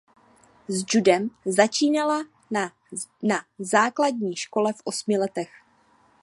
S judem začínala na na základní škole v osmi letech.